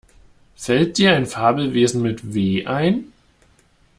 Fällt dir ein Fabelwesen mit W ein?